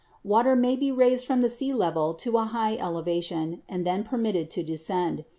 Water may be raised from the sea level to a high elevation, and then permitted to descend.